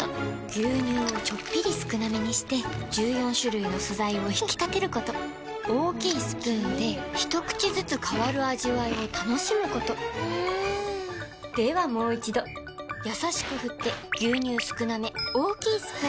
牛乳をちょっぴり少なめにして１４種類の素材を引き立てること大きいスプーンで一口ずつ変わる味わいを楽しむことではもう一度これだ！